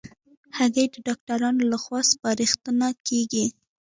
هګۍ د ډاکټرانو له خوا سپارښتنه کېږي.